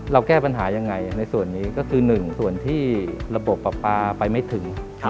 แก้ปัญหายังไงในส่วนนี้ก็คือ๑ส่วนที่ระบบปลาปลาไปไม่ถึง